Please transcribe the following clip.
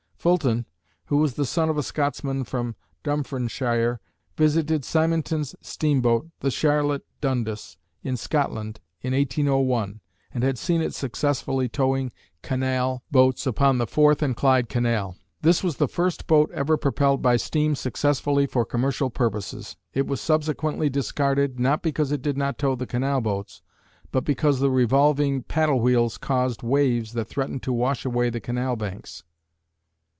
Fulton, who was the son of a Scotsman from Dumfrieshire, visited Syminton's steamboat, the Charlotte Dundas, in Scotland, in 1801, and had seen it successfully towing canal boats upon the Forth and Clyde Canal. This was the first boat ever propelled by steam successfully for commercial purposes. It was subsequently discarded, not because it did not tow the canal boats, but because the revolving paddle wheels caused waves that threatened to wash away the canal banks.